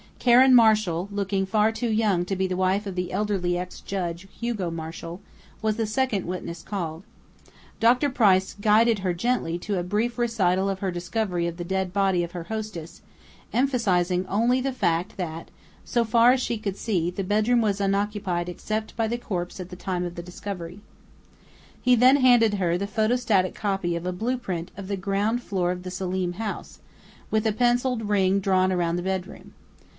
Karen Marshall, looking far too young to be the wife of the elderly ex judge, Hugo Marshall, was the second witness called. Dr. Price guided her gently to a brief recital of her discovery of the dead body of her hostess, emphasizing only the fact that, so far as she could see, the bedroom was unoccupied except by the corpse at the time of the discovery. He then handed her the photostatic copy of a blueprint of the ground floor of the Selim house, with a pencilled ring drawn around the bedroom.